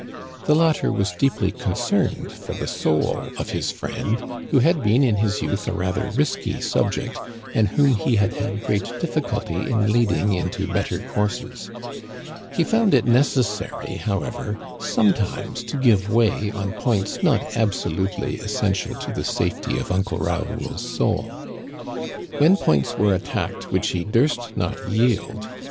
The latter was deeply concerned for the soul of his friend, who had been in his youth a rather risky subject, and whom he had had great difficulty in leading into better courses. He found it necessary, however, sometimes to give way on points not absolutely essential to the safety of Uncle Raoul's soul. When points were attacked which he durst not yield he.